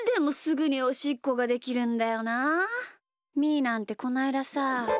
ーなんてこないださ。